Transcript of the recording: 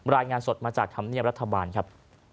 รายงานสดมาจากธรรมเนียบรัฐบาลครับ